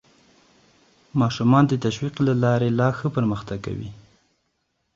ماشومان د تشویق له لارې لا ښه پرمختګ کوي